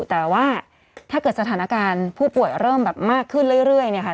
แต่ว่าถ้าเกิดสถานการณ์ผู้ป่วยเริ่มแบบมากขึ้นเรื่อยเนี่ยค่ะ